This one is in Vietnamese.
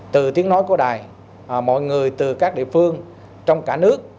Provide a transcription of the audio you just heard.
từ tiếng nói của đài mọi người từ các địa phương trong cả nước